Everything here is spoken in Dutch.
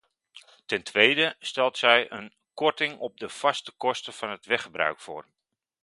Ten tweede stelt zij een korting op de vaste kosten van het weggebruik voor.